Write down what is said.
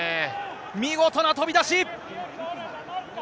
見事な飛び出し！